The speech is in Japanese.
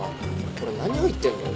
これ何入ってんの？